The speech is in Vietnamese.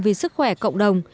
vì sức khỏe cộng đồng